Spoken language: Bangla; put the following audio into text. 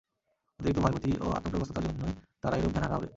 অতিরিক্ত ভয়-ভীতি ও আতংকগ্রস্ততার জন্যই তারা এরূপ জ্ঞানহারা হবে।